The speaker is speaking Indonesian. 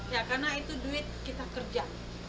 ya karena itu duit kita kerja